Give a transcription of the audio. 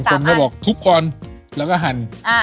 เขาบอกทุบก่อนแล้วก็หั่น